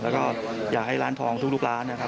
แล้วก็อยากให้ล้านทองทุกร้าน